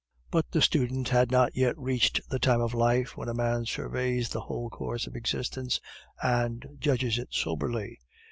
But the student had not yet reached the time of life when a man surveys the whole course of existence and judges it soberly.